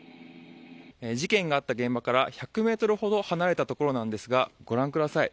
事件があった現場から１００ｍほど離れたところですがご覧ください。